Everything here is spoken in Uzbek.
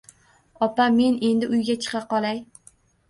Opa, men endi uyga chiqa qolay